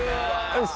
よし！